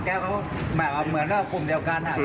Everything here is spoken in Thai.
แล้วพวกพี่ทั้งหลายเขาขับแก๊บเหมือนกับกลุ่มเดียวกัน